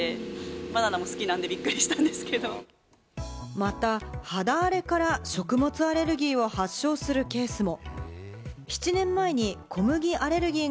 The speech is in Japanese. また肌荒れから食物アレルギーを発症するケースも。